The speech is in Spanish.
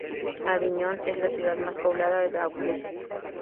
Aviñón es la ciudad más poblada de Vaucluse.